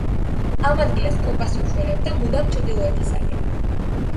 ამ ადგილას კომპასი უჩვენებდა მუდამ ჩრდილოეთისაკენ.